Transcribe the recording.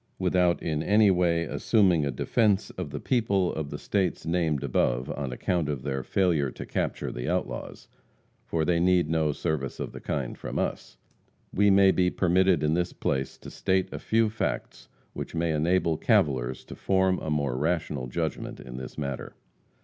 Without in any way assuming a defence of the people of the states named above, on account of their failure to capture the outlaws for they need no service of the kind from us we may be permitted in this place to state a few facts which may enable cavilers to form a more rational judgment in this matter.